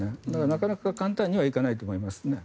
なかなか簡単にはいかないと思いますね。